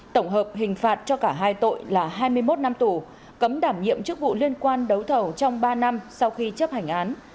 tổng hợp hình phạt cho cả hai tội là hai mươi một năm tù cấm đảm nhiệm chức vụ liên quan đấu thầu trong ba năm sau khi chấp hành án